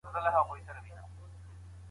کښتی په مابينځ کي ولاړه ده.